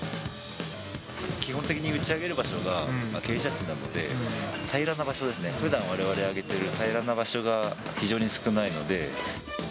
基本的に打ち上げる場所が傾斜地なので、平らな場所ですね、ふだん、われわれ上げてる平らな場所が非常に少ないので。